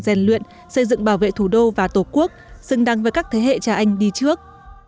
gian luyện xây dựng bảo vệ thủ đô và tổ quốc xứng đáng với các thế hệ cha anh đi trước